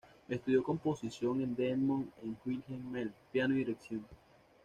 Estudió composición en Detmold con Wilhelm Maler, piano y dirección.